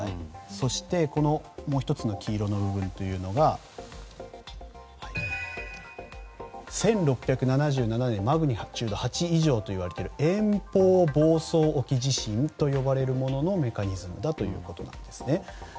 そして、もう１つの黄色の部分が１６７７年のマグニチュード８以上といわれている延宝房総沖地震と呼ばれるもののメカニズムだということです。